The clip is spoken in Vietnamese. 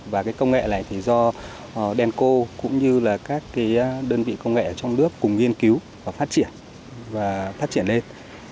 và công nghệ này do denco cũng như các đơn vị công nghệ trong nước cùng nghiên cứu và phát triển lên